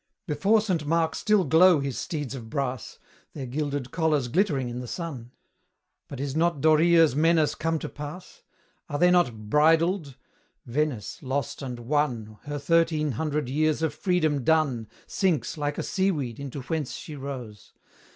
Before St. Mark still glow his steeds of brass, Their gilded collars glittering in the sun; But is not Doria's menace come to pass? Are they not BRIDLED? Venice, lost and won, Her thirteen hundred years of freedom done, Sinks, like a seaweed, into whence she rose!